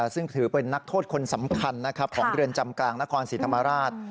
ซึ่งถือเป็นนักโทษคนสำคัญของเรือนจำกลางนครศรีธรรมราช